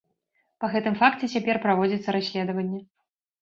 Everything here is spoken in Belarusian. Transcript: Па гэтым факце цяпер праводзіцца расследаванне.